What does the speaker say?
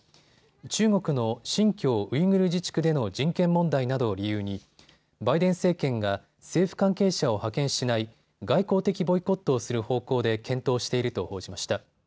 中国の新疆ウイグル自治区での人権問題などを理由にバイデン政権が政府関係者を派遣しない外交的ボイコットをする方向で検討していると報じました。